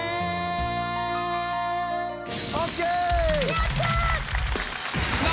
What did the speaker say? やったー！